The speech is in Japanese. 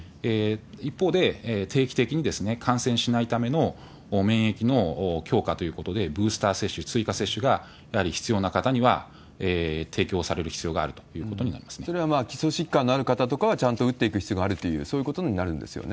一方で、定期的に感染しないための免疫の強化ということで、ブースター接種、追加接種がやはり必要な方には提供をされる必要があるということそれは基礎疾患のある方とかは、ちゃんと打っていく必要があるという、そういうことになるん